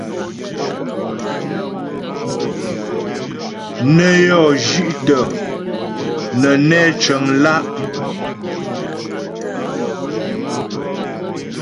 Nə́ yɔ́ zhi'tə nə́ nɛ́ cəŋ lá'.